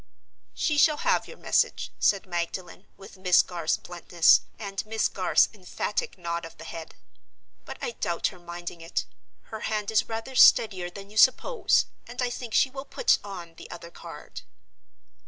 "She shall have your message," said Magdalen, with Miss Garth's bluntness, and Miss Garth's emphatic nod of the head. "But I doubt her minding it. Her hand is rather steadier than you suppose, and I think she will put on the other card."